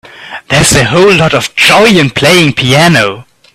There is a whole lot of joy in playing piano.